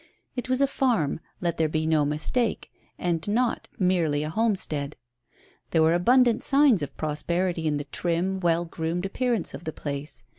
It was a farm, let there be no mistake, and not merely a homestead. There were abundant signs of prosperity in the trim, well groomed appearance of the place.